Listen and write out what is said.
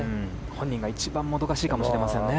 本人が一番もどかしいかもしれませんね。